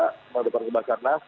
kepada perkembang karnas